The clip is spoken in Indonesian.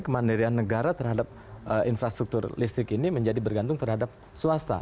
kemandirian negara terhadap infrastruktur listrik ini menjadi bergantung terhadap swasta